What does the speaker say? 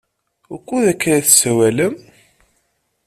Wukud ay la tessawalem?